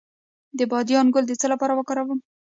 د بادیان ګل د څه لپاره وکاروم؟